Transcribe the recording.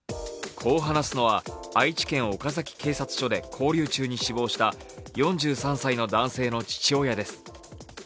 こう話すのは、愛知県岡崎警察署で勾留中に死亡した４３歳の男性の父親です。